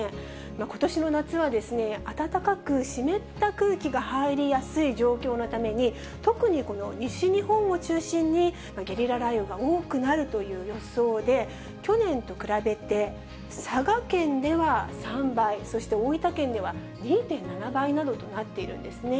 ことしの夏は、暖かく湿った空気が入りやすい状況のために、特にこの西日本を中心に、ゲリラ雷雨が多くなるという予想で、去年と比べて、佐賀県では３倍、そして大分県では２．７倍などとなっているんですね。